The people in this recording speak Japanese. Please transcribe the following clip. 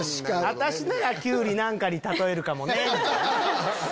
「私ならキュウリ何かに例えるかもね」みたいな。